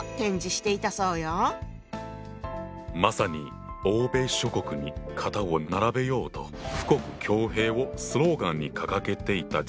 まさに欧米諸国に肩を並べようと富国強兵をスローガンに掲げていた時代だよな。